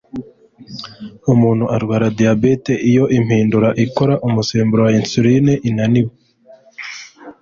Umuntu arwara diyabete iyo impindura ikora umusemburo wa insuline inaniwe